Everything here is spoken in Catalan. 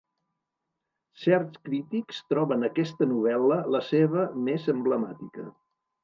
Certs crítics troben aquesta novel·la la seva més emblemàtica.